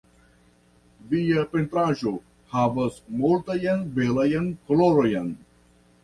Via pentraĵo havas multajn belajn kolorojn.